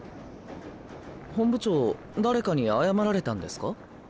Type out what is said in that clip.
本部長誰かに謝られたんですか？